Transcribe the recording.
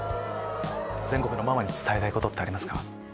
全国のママに伝えたいことってありますか？